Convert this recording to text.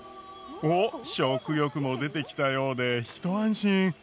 おっ食欲も出てきたようで一安心。